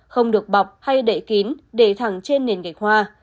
không được bọc hay đậy kín để thẳng trên nền gạch hoa